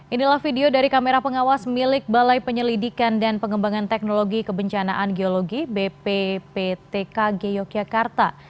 inilah video dari kamera pengawas milik balai penyelidikan dan pengembangan teknologi kebencanaan geologi bpptkg yogyakarta